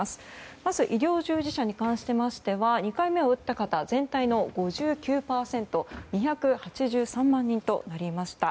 まず医療従事者に関しましては２回目を打った方は全体の５９％で２８３万人となりました。